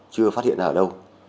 chưa phát hiện ở đâu